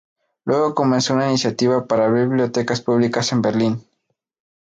Luego comenzó una iniciativa para abrir bibliotecas públicas en Berlín.